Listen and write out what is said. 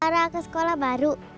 para ke sekolah baru